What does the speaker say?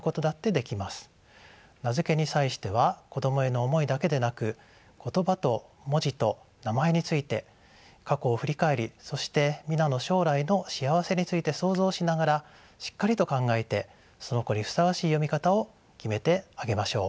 名付けに際しては子供への思いだけでなく言葉と文字と名前について過去を振り返りそして皆の将来の幸せについて想像しながらしっかりと考えてその子にふさわしい読み方を決めてあげましょう。